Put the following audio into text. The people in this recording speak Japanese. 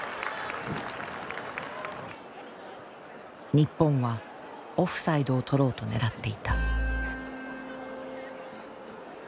日本はオフサイドをとろうと狙っていた。